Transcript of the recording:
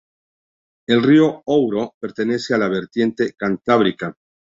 El río Ouro pertenece a la vertiente cantábrica.